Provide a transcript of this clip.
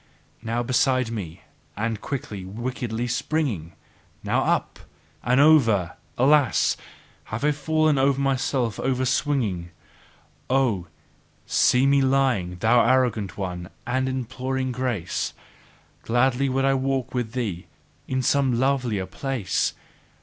Now beside me! And quickly, wickedly springing! Now up! And over! Alas! I have fallen myself overswinging! Oh, see me lying, thou arrogant one, and imploring grace! Gladly would I walk with thee in some lovelier place!